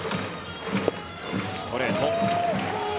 ストレート。